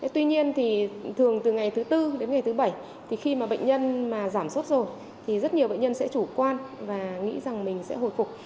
tuy nhiên thì thường từ ngày thứ tư đến ngày thứ bảy thì khi mà bệnh nhân mà giảm suốt rồi thì rất nhiều bệnh nhân sẽ chủ quan và nghĩ rằng mình sẽ hồi phục